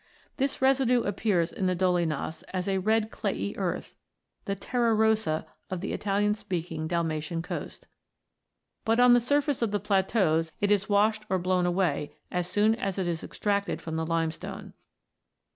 This residue appears in the dolinas as a red clayey earth, the " terra rossa " of the Italian speaking Dalmatian coast. But on the surface of the plateaus it is washed or blown away as soon as it is extracted from the limestone.